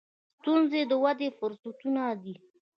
• ستونزې د ودې فرصتونه دي.